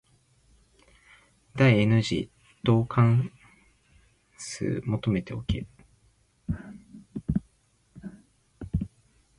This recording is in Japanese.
第 n 次導関数求めとけ。